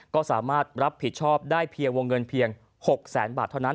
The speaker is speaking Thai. ก็สามารถรับผิดชอบได้เพียงวงเงินเพียง๖แสนบาทเท่านั้น